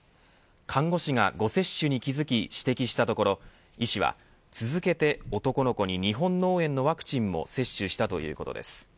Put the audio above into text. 看護師が誤接種に気づき指摘したところ医師は続けて男の子に日本脳炎のワクチンも接種したということです。